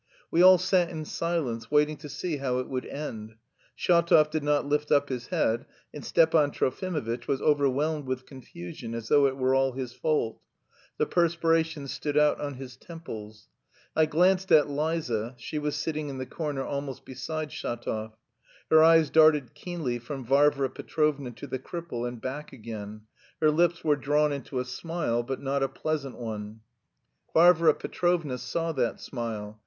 We all sat in silence, waiting to see how it would end. Shatov did not lift up his head, and Stepan Trofimovitch was overwhelmed with confusion as though it were all his fault; the perspiration stood out on his temples. I glanced at Liza (she was sitting in the corner almost beside Shatov). Her eyes darted keenly from Varvara Petrovna to the cripple and back again; her lips were drawn into a smile, but not a pleasant one. Varvara Petrovna saw that smile.